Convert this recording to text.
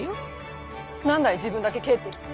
何だい自分だけ帰ってきて。